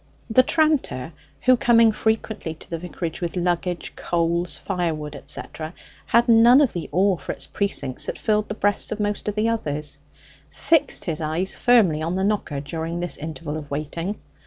The tranter, who, coming frequently to the vicarage with luggage, coals, firewood, etc., had none of the awe for its precincts that filled the breasts of most of the others, fixed his eyes firmly on the knocker during this interval of waiting.